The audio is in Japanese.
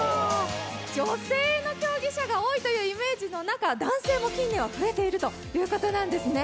女性の競技者が多いというイメージの中男性も近年は増えているということなんですね。